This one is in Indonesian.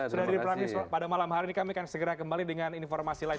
sudah diperlagikan pada malam hari ini kami akan segera kembali dengan informasi lain